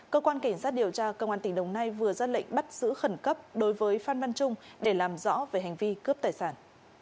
cơ quan cảnh sát điều tra công an tỉnh đồng nai vừa ra lệnh bắt giữ khẩn cấp đối với phan văn trung để làm rõ về hành vi cướp tài sản